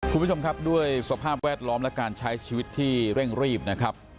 คุณผู้ชมครับด้วยสภาพแวดล้อมและการใช้ชีวิตที่เร่งรีบนะครับ